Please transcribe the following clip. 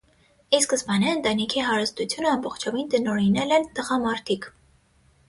Ի սկզբանե ընտանիքի հարստությունը ամբողջովին տնօրինել են տղամարդիկ։